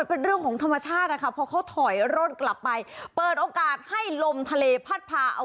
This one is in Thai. เป็นเรื่องของธรรมชาตินะคะเพราะเขาถอยร่นกลับไปเปิดโอกาสให้ลมทะเลพัดพาเอา